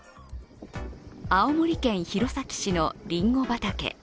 青森県弘前市のりんご畑。